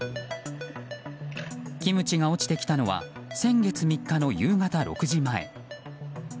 キムチが落ちてきたのは先月３日の夕方６時前。